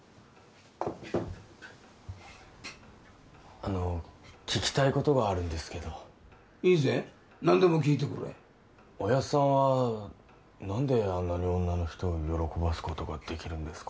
あの聞きたいことがあるんですけどいいぜ何でも聞いてくれおやっさんは何であんなに女の人を喜ばすことができるんですか？